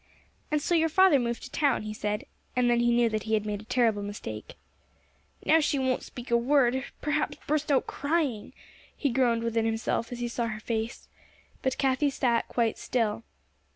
"And so your father moved to town," he said; and then he knew that he had made a terrible mistake. "Now she won't speak a word perhaps burst out crying," he groaned within himself, as he saw her face. But Cathie sat quite still.